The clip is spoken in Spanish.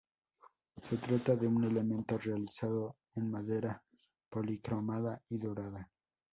Se trata de un elemento realizado en madera policromada y dorada.